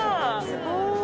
すごーい。